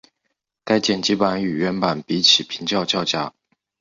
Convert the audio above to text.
该剪辑版与原版比起评价较佳。